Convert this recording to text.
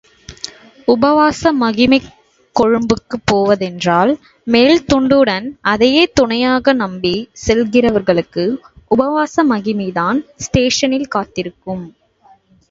உபவாச மகிமை கொழும்புக்குப் போவதென்றால் மேல்துண்டுடன், அதையே துணையாக நம்பிச் செல்லுகிறவர்களுக்கு உபவாச மகிமைதான் ஸ்டேஷனில் காத்திருக்கும்.